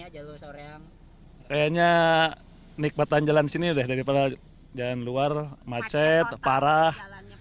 jalur biasa kayaknya nikmatan jalan sini daripada jalan luar macet parah